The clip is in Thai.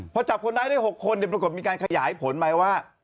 พอจับคนร้ายได้๖คนเรียบรบกฏมีการขยายผลไหมว่า